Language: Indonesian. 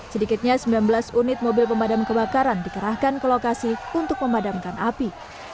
sedikitnya sembilan belas unit mobil pemadam kebakaran dikerahkan ke lokasi untuk memadamkan api